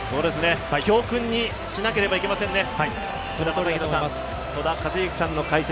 教訓にしなければいけませんね。